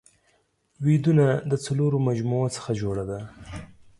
ويدونه د څلورو مجموعو څخه جوړه ده